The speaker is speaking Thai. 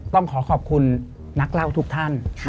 ต้องขอขอบคุณนักเล่าทุกท่าน